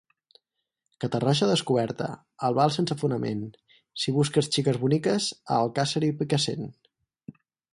Catarroja descoberta, Albal sense fonament, si busques xiques boniques, a Alcàsser i Picassent.